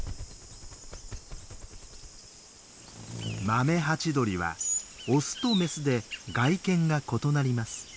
マメハチドリはオスとメスで外見が異なります。